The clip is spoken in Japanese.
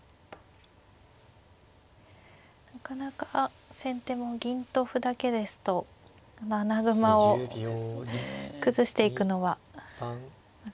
なかなか先手も銀と歩だけですと穴熊を崩していくのは難しいですか。